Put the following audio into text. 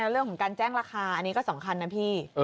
เรื่องของการแจ้งราคาอันนี้ก็สำคัญนะพี่